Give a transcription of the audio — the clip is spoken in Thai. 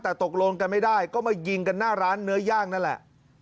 แต่ตกลงกันไม่ได้ก็มายิงกันหน้าร้านเนื้อย่างนั่นแหละ